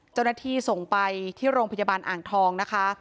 เจ้าหน้าที่ส่งไปที่โรงพยาบาลอ่างทองนะคะ